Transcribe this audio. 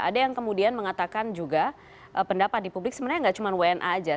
ada yang kemudian mengatakan juga pendapat di publik sebenarnya nggak cuma wna saja